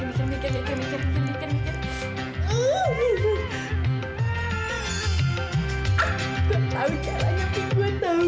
mulai bakal indah